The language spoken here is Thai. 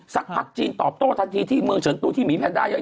สักพักจีนตอบโต้ทันทีที่เมืองเฉินตูที่หมีแพนด้าเยอะ